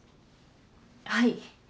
はい。